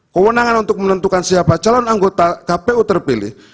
kewenangan untuk menentukan siapa calon anggota kpu terpilih